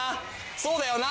そうだよな！